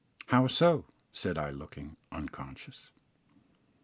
"How so?" said I, looking unconscious.